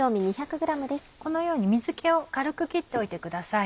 このように水気を軽く切っておいてください。